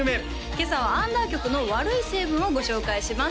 今朝はアンダー曲の「悪い成分」をご紹介します